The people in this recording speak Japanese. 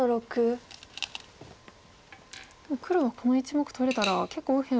でも黒はこの１目取れたら結構右辺は。